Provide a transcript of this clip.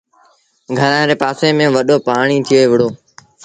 گھرآݩ ري پآسي ميݩ وڏو پآڻيٚ ٿئي وُهڙو۔